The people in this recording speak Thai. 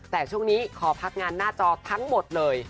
แต่ช่วงนี้ขอพักงานหน้าจอทั้งหมดเลย